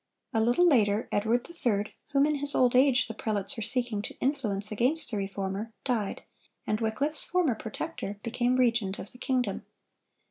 A little later, Edward III., whom in his old age the prelates were seeking to influence against the Reformer, died, and Wycliffe's former protector became regent of the kingdom.